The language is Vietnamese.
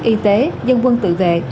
y tế dân quân tự vệ